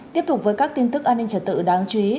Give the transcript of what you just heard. tiếp tục với các tin tức an ninh trở tự đáng chú ý